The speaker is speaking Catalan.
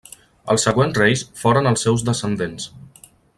Els següents reis foren els seus descendents.